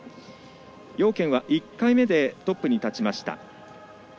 姚娟は１回目でトップに立ちました。